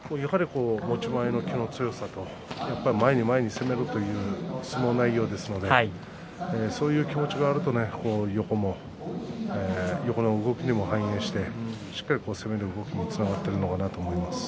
持ち前の気の強さと前に前に攻めるという相撲内容ですのでそういう気持ちがあると横の動きにも対応してしっかりと攻める動きにつながっているのかなと思います。